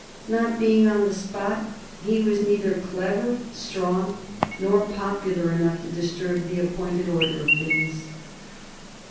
Not being on the spot, he was neither clever, strong, nor popular enough to disturb the appointed order of things.